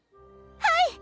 はい！